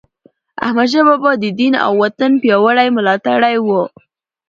احمدشاه بابا د دین او وطن پیاوړی ملاتړی و.